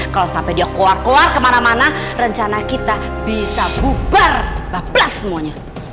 kalau sampai dia koal koal kemana mana rencana kita bisa bubar bapak plus semuanya